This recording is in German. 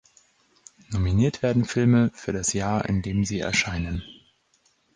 Nominiert werden Filme für das Jahr, in dem sie erscheinen.